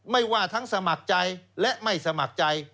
ไม่ว่าทั้งสมัครใจและไม่สมัครใจ